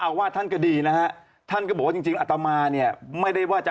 อาวาสท่านก็ดีนะท่านก็บอกจริงอัตมาเนี่ยไม่ได้ว่าจะ